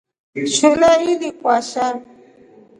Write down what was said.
Shule ili kwasha.